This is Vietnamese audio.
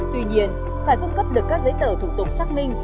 tuy nhiên phải cung cấp được các giấy tờ thủ tục xác minh